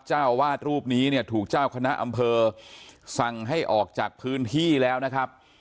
เจ้าวาดรูปนี้เนี่ยถูกเจ้าคณะอำเภอสั่งให้ออกจากพื้นที่แล้วนะครับ